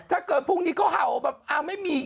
ถ้าเกิดพรุ่งนี้ก็เห่าแบบอ้าวไม่มี